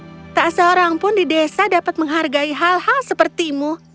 tidak seorang pun di desa dapat menghargai hal hal sepertimu